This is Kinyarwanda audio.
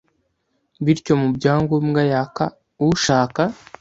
Bityo mu byangombwa yaka ushaka